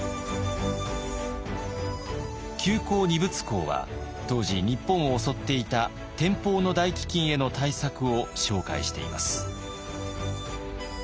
「救荒二物考」は当時日本を襲っていた天保の大飢饉への対策を紹介しています。